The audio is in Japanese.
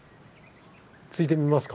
ついてみますか？